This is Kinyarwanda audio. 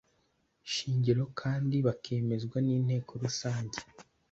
Shingiro kandi bakemezwa n inteko rusange